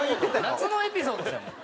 夏のエピソードじゃん。